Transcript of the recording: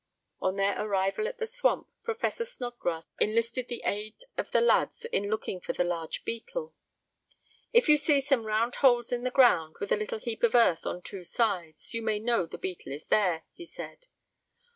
On their arrival at the swamp Professor Snodgrass enlisted the aid of the lads in looking for the large beetle. "If you see some round holes in the ground, with a little heap of earth on two sides of it, you may know the beetle is there," he said.